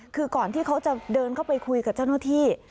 คือก่อนที่เขาจะเดินเข้าไปคุยกับเจ้าหน้าที่